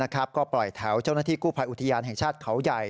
ก็ปล่อยแถวเจ้าหน้าที่กู้ภัยอุทยานแห่งชาติเขาใหญ่